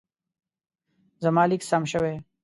زما لیک سم شوی.